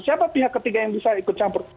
siapa pihak ketiga yang bisa ikut campur